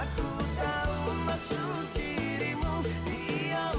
tid pesen kopinya ya